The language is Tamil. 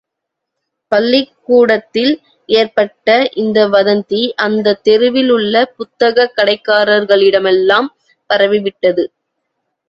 பள்ளிக்கூடத்தில் ஏற்பட்ட இந்த வதந்தி, அந்தத் தெருவில் உள்ள புத்தகக் கடைக்காரர்களிடமெல்லாம் பரவிவிட்டது.